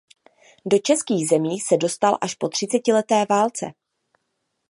Do Českých zemí se dostal až po třicetileté válce.